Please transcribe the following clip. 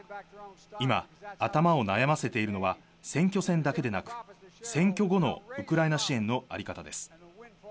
今、頭を悩ませているのは選挙戦だけでなく、選挙後のウクライナ支援のあり方です。